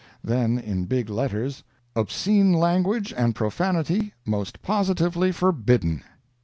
Then, in big letters: "OBSCENE LANGUAGE AND PROFANITY MOST POSITIVELY FORBIDDEN."